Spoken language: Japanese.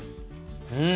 うん。